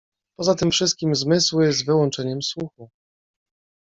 Poza tym wszystkim zmysły, z wyłączeniem słuchu